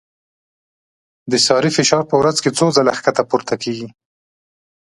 د سارې فشار په ورځ کې څو ځله ښکته پورته کېږي.